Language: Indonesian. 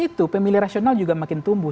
itu pemilih rasional juga makin tumbuh